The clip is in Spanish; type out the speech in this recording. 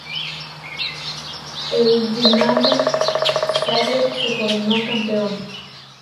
El Dinamo Zagreb se coronó campeón.